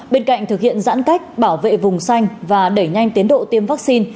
bên cạnh thực hiện giãn cách bảo vệ vùng xanh và đẩy nhanh tiến độ tiêm vaccine